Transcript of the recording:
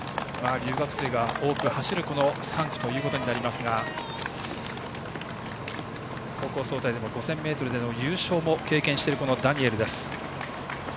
留学生が多く走る３区となりますが高校総体では５０００ｍ優勝も経験しているダニエルです。